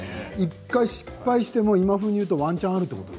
１回失敗しても今風に言うとワンチャンあるってこと。